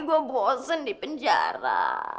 gue bosen di penjara